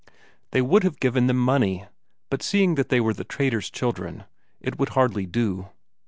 They would have given them money, but seeing they were the trader's children, it would hardly do.